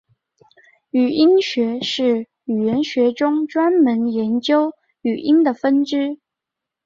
语音学是语言学中专门研究语音的分支。